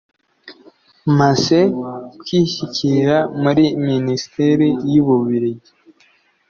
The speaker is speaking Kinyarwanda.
Masse kwishyikira muri minisiteri y u bubirigi